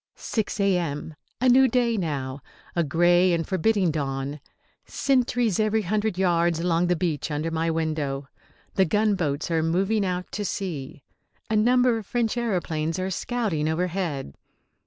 6 A.M. A new day now. A grey and forbidding dawn. Sentries every hundred yards along the beach under my window. The gunboats are moving out to sea. A number of French aeroplanes are scouting overhead.